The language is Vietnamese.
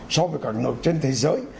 so với cả nước trên thế giới